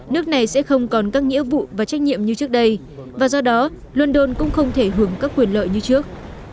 nước này sẽ không còn các nghĩa vụ và trách nhiệm như trước đây và do đó london cũng không thể hưởng các quyền lợi như trước